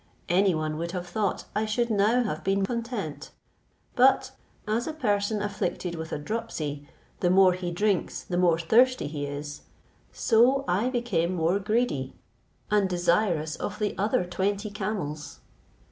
Any one would have thought I should now have been content; but as a person afflicted with a dropsy, the more he drinks the more thirsty he is, so I became more greedy and desirous of the other twenty camels.